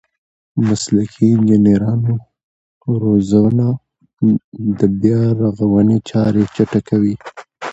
د مسلکي انجنیرانو روزنه د بیارغونې چارې چټکوي.